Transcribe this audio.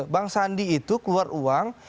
bang sandi itu keluar uang